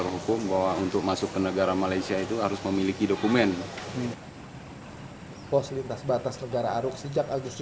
sejak bulan agustus tahun dua ribu tujuh belas diambil oleh pemerintah pusat